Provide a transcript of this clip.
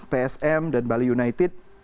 psm dan bali united